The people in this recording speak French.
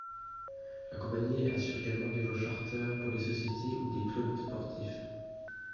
La compagnie assure également des vols charters pour des sociétés ou des clubs sportifs.